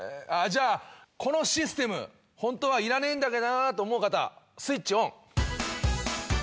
じゃあこのシステムホントはいらねえんだけどなと思う方スイッチオン！